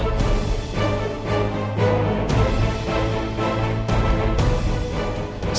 bagaimana keadaan di istana pejajaran